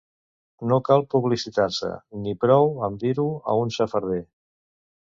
No cal publicitar-se; n'hi prou amb dir-ho a un xafarder.